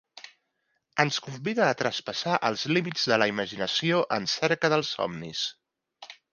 Ens convida a traspassar els límits de la imaginació en cerca dels somnis.